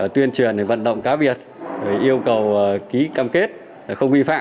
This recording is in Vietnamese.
tuyên truyền vận động cá biệt yêu cầu ký cam kết không vi phạm